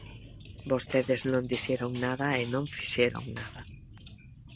Vostedes non dixeron nada e non fixeron nada.